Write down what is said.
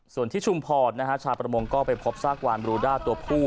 ส่วนที่ชุมพรชาวประมงก็ไปพบซากวานบรูด้าตัวผู้